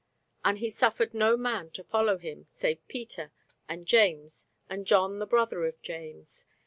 And he suffered no man to follow him, save Peter, and James, and John the brother of James.